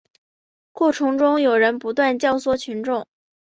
过程中有人不断教唆群众